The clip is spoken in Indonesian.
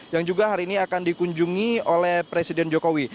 yang juga hari ini akan dikunjungi oleh presiden jokowi